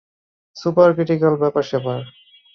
Super critical ব্যাপার-স্যাপার।